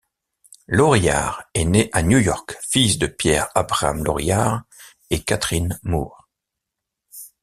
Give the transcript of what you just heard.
Lorillard est né à New York, fils de Pierre Abraham Lorillard et Catherine Moore.